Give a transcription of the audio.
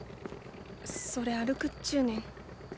そりゃ歩くっちゅうねん。